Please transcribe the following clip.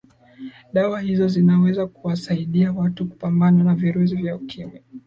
dawa hizo zinaweza kuwasaidia watu kupambana na virusi vya ukimwi